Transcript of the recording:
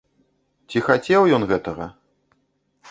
Ці хацеў ён гэтага?